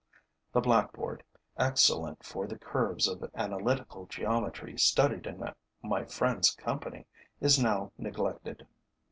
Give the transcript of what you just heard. The blackboard, excellent for the curves of analytical geometry studied in my friend's company, is now neglected.